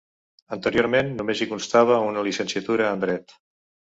Anteriorment només hi constava una llicenciatura en dret.